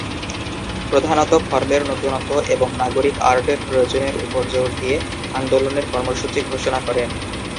প্রধানত ফর্মের নতুনত্ব এবং নাগরিক আর্টের প্রয়োজনের উপর জোর দিয়ে আন্দোলনের কর্মসূচি ঘোষণা করেন।